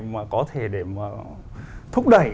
mà có thể để mà thúc đẩy